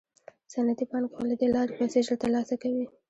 صنعتي پانګوال له دې لارې پیسې ژر ترلاسه کوي